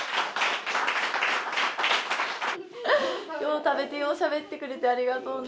よう食べてようしゃべってくれてありがとうね。